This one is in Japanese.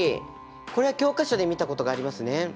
これは教科書で見たことがありますね。